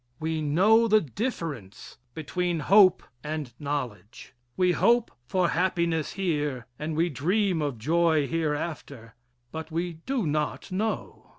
We know the difference between hope and knowledge, we hope for happiness here and we dream of joy hereafter, but we do not know.